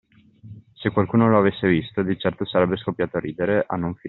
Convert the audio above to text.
Se qualcuno lo avesse visto, di certo sarebbe scoppiato a ridere a non finire.